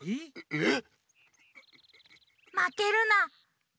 えっ。